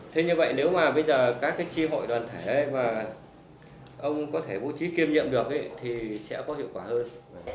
thế như vậy nếu mà bây giờ các cái tri hội đoàn thể mà ông có thể bố trí kiêm nhiệm được thì sẽ có hiệu quả hơn